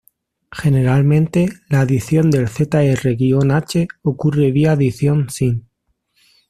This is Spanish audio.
Generalmente, la adición del Zr–H ocurre vía adición sin.